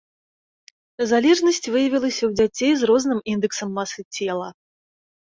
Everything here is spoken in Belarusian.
Залежнасць выявілася ў дзяцей з розным індэксам масы цела.